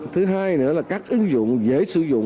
thứ hai nữa là các ứng dụng dễ sử dụng